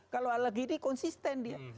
kalau hal ini konsisten dia